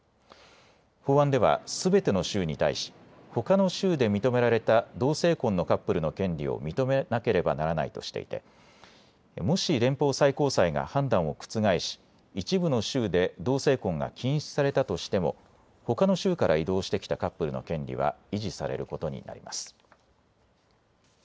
法案ではすべての州に対しほかの州で認められた同性婚のカップルの権利を認めなければならないとしていてもし連邦最高裁が判断を覆し一部の州で同性婚が禁止されたとしてもほかの州から移動してきたカップルの権利は維持されることになります。